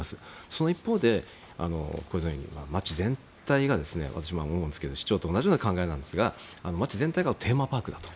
その一方で私も市長と同じような考えなんですが、街全体がテーマパークだと。